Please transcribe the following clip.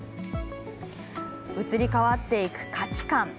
移り変わっていく価値観。